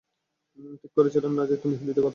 ঠিক করেছিলাম না যে, তুমি হিন্দিতে কথা বলবে।